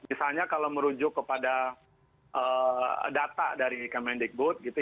misalkan kalau merujuk kepada data dari kemendikbud